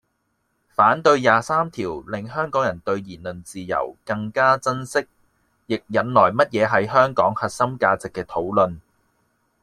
反對廿三條令香港人對言論自由更加珍惜，亦引來乜嘢係香港核心價值嘅討論